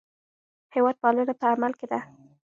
هېوادپالنه په عمل کې ده.